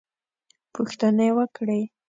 پوښتنې وکړې.